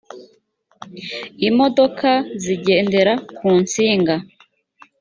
imodoka zigendera ku nsinga